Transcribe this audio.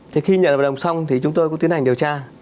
thì khi nhận hợp đồng xong thì chúng tôi cũng tiến hành điều tra